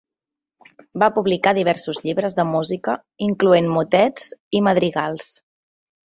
Va publicar diversos llibres de música, incloent motets i madrigals.